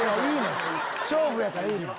勝負やからいいねん。